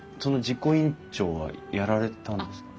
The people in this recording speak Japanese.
実行委員長はやられたんですか？